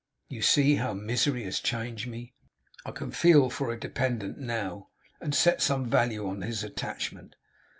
'You see how misery has changed me. I can feel for a dependant NOW, and set some value on his attachment.